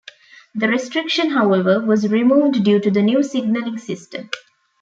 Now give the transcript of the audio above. This restriction however, was removed due to the new signalling system.